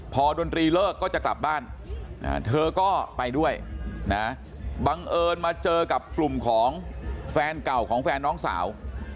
พอดนตรีเลิกก็จะกลับบ้านเธอก็ไปด้วยนะบังเอิญมาเจอกับกลุ่มของแฟนเก่าของแฟนน้องสาว